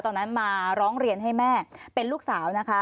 ตอนนั้นมาร้องเรียนให้แม่เป็นลูกสาวนะคะ